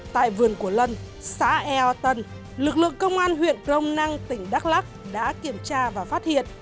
tại vườn của lân xã eo tân lực lượng công an huyện crong năng tỉnh đắk lắc đã kiểm tra và phát hiện